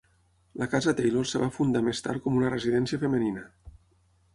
La casa Taylor es va fundar més tard com una residència femenina.